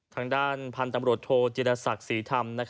ทางด้านพาณตำรวจโทรเจรษักษ์ศรีธรรม